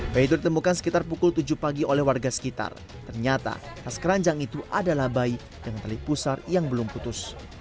bayi itu ditemukan sekitar pukul tujuh pagi oleh warga sekitar ternyata tas keranjang itu adalah bayi dengan tali pusar yang belum putus